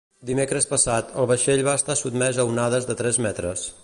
Dimecres passat, el vaixell va estar sotmès a onades de tres metres.